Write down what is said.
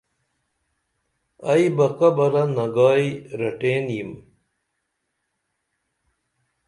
ائی بہ قبرہ نگائی رٹین یِم